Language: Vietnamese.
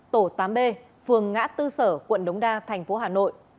tổ tám b phường ngã tư sở quận đống đa thành phố hà nội